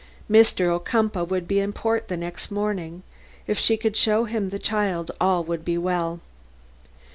Mr. Ocumpaugh would be in port the next morning; if she could show him the child all would be well.